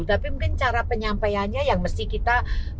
tapi mungkin cara penyampaiannya yang mesti kita